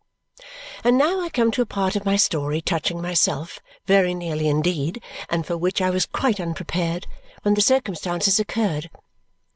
And now I come to a part of my story touching myself very nearly indeed, and for which I was quite unprepared when the circumstance occurred.